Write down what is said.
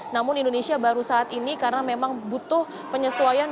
namun indonesia baru saat ini karena memang butuh penyesuaian